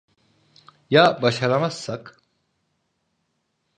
Ya başaramazsak?